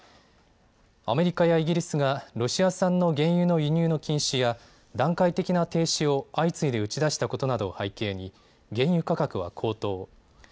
アメリカやイギリスがロシア産の原油の輸入の禁止や段階的な停止を相次いで打ち出したことなどを背景に原油価格は高騰。